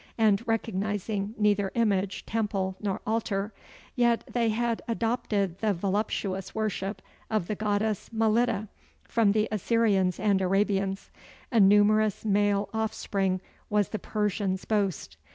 and recognizing neither image, temple, nor altar yet they had adopted the voluptuous worship of the goddess Mylitta from the Assyrians and Arabians. A numerous male offspring was the Persian's boast.